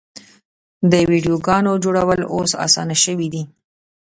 د ویډیوګانو جوړول اوس اسانه شوي دي.